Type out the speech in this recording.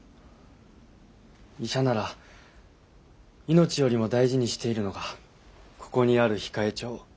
医者なら命よりも大事にしているのがここにある控え帳。